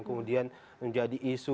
kemudian menjadi isu